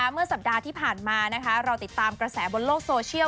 เมื่อสัปดาห์ที่ผ่านมาเราติดตามกระแสบนโลกโซเชียล